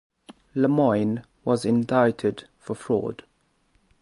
Lemoine was indicted for fraud.